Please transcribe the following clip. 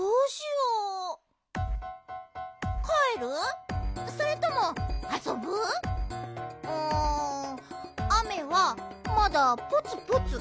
うん雨はまだポツポツ。